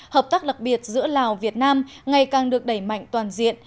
hợp tác đặc biệt giữa lào việt nam ngày càng được đẩy mạnh toàn diện